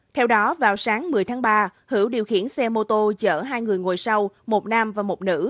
theo đó vào sáng một mươi tháng ba hữu điều khiển xe mô tô chở hai người ngồi sau một nam và một nữ